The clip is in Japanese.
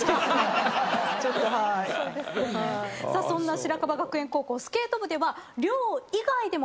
そんな白樺学園高校スケート部では。